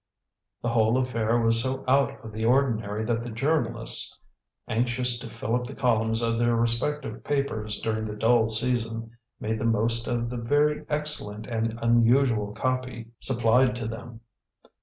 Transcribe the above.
The whole affair was so out of the ordinary that the journalists, anxious to fill up the columns of their respective papers during the dull season, made the most of the very excellent and unusual copy supplied to them.